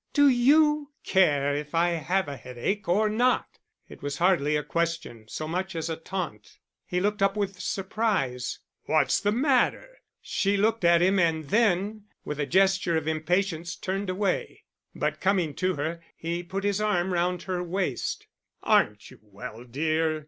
"Do you care if I have a headache or not?" It was hardly a question so much as a taunt. He looked up with surprise. "What's the matter?" She looked at him and then, with a gesture of impatience, turned away. But coming to her, he put his arm round her waist. "Aren't you well, dear?"